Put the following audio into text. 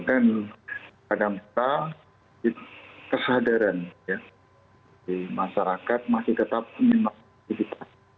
dan kadang kadang kesadaran di masyarakat masih tetap memiliki aktivitas